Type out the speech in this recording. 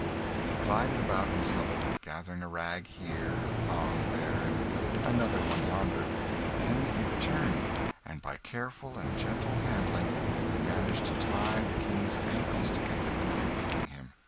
He glided about his hovel, gathering a rag here, a thong there, and another one yonder; then he returned, and by careful and gentle handling he managed to tie the King's ankles together without waking him.